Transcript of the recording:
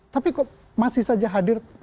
tapi kok masih saja hadir